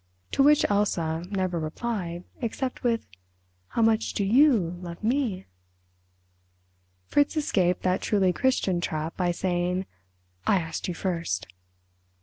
To which Elsa never replied—except with "How much do you love me?" Fritz escaped that truly Christian trap by saying, "I asked you first."